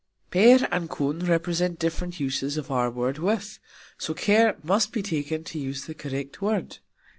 "Per" and "kun" represent different uses of our word "with," so care must be taken to use the correct word.